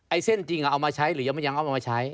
ไอ้เส้นจริงเอามาใช้หรือยังเอามาใช้